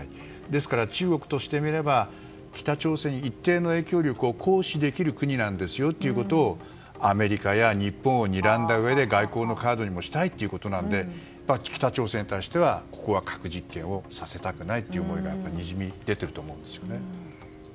ですから中国としてみれば北朝鮮に一定の影響力を行使できる国なんですよということをアメリカや日本をにらんだうえで外交のカードにもしたいということなので北朝鮮に対しては核実験をさせたくないという思いがにじみ出ていると思いますね。